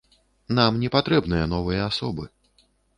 Нам не патрэбныя новыя асобы.